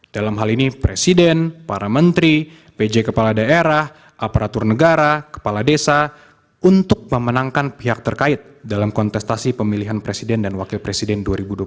dalam hal ini presiden para menteri pj kepala daerah aparatur negara kepala desa untuk memenangkan pihak terkait dalam kontestasi pemilihan presiden dan wakil presiden dua ribu dua puluh empat